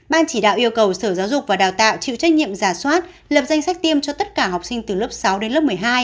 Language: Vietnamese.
ban chỉ đạo yêu cầu sở giáo dục và đào tạo chịu trách nhiệm giả soát lập danh sách tiêm cho tất cả học sinh từ lớp sáu đến lớp một mươi hai